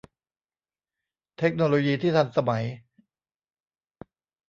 เทคโนโลยีที่ทันสมัย